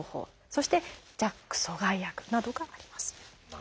そして「ＪＡＫ阻害薬」などがあります。